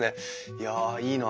いやいいな。